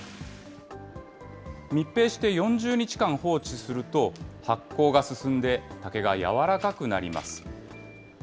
密閉して４０日間放置すると、発酵が進んで、竹が柔らかくなります。